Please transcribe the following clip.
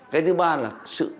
cái thứ ba là sự